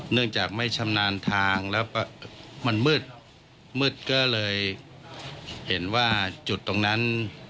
เนื่องจากไม่ชำนาญทางแล้วมันมืดมืดก็เลยเห็นว่าจุดตรงนั้น